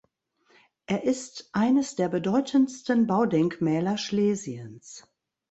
Er ist eines der bedeutendsten Baudenkmäler Schlesiens.